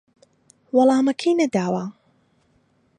وەڵامەکەی نەداوە